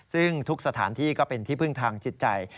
ซึ่งทุกสถานที่ก็เป็นที่พึ่งทางจิตใจ